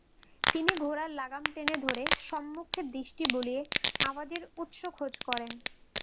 তিনি ঘোড়ার লাগাম টেনে ধরে সম্মুখে দৃষ্টি বুলিয়ে আওয়াজের উৎস খোঁজ করেন।